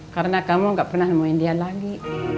karena kamu gak pernah nemuin dia lagi